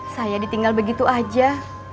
saya ditinggal begitu aja